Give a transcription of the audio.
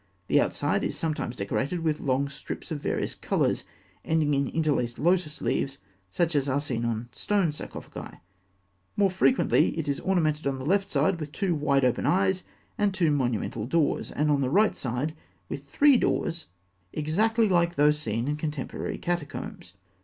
The outside is sometimes decorated with long strips of various colours ending in interlaced lotus leaves, such as are seen on stone sarcophagi. More frequently, it is ornamented on the left side with two wide open eyes and two monumental doors, and on the right with three doors exactly like those seen in contemporary catacombs.